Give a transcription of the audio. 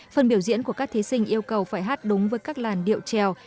phần biểu diễn của các thí sinh yêu cầu phải hát đúng với các làn điệu trèo